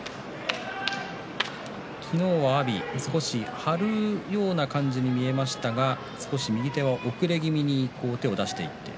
昨日の阿炎少し張るような感じに見えましたが右手を遅れ気味に手を出してきました。